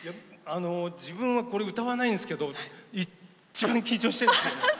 自分はこれ歌わないんですけど一番緊張してるんです。